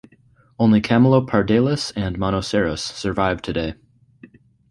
Only Camelopardalis and Monoceros survive today.